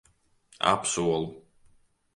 Apsolu.